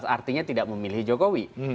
artinya tidak memilih jokowi